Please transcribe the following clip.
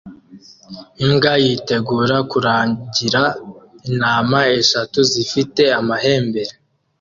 Imbwa yitegura kuragira intama eshatu zifite amahembe